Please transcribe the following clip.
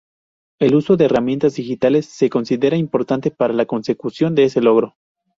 El uso de herramientas digitales se considera importante para la consecución de este logro.